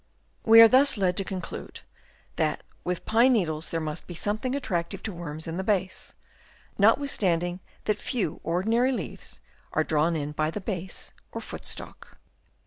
We are thus led to conclude, that with pine leaves there must be something attractive to worms in the base, notwithstand ing that few ordinary leaves are drawn in by the base or foot stalk.